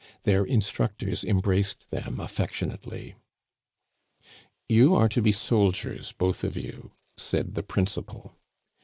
Their instructors em braced them affectionately. " You are to be soldiers, both of you, said the prin cipal.